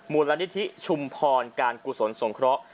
มูลนิธิชุมพรการกุศลสงเคราะห์